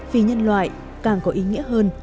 vì nhân loại càng có ý nghĩa hơn